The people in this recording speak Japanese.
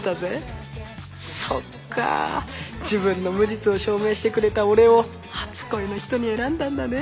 そっかあ自分の無実を証明してくれた俺を初恋の人に選んだんだね